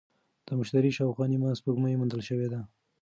د مشتري شاوخوا نیمه سپوږمۍ موندل شوې ده.